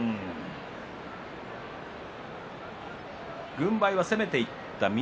軍配は攻めていった翠